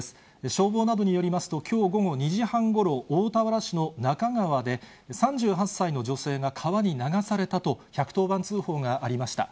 消防などによりますと、きょう午後２時半ごろ、大田原市の那珂川で、３８歳の女性が川に流されたと、１１０番通報がありました。